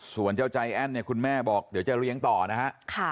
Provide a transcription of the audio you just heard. ส่วนเจ้าใจแอนด์คุณแม่บอกเดี๋ยวจะเลี้ยงต่อนะครับ